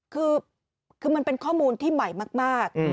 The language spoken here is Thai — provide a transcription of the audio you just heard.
คือมันเป็นข้อมูลที่ใหม่มาก